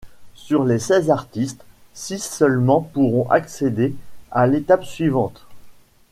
Sur les seize artistes, six seulement pourront accéder à l'étape suivante.